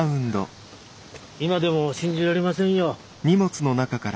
今でも信じられませんよ。